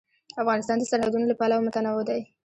افغانستان د سرحدونه له پلوه متنوع دی.